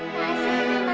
kasih di mama